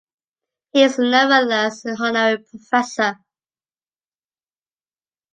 He is nevertheless an honorary professor.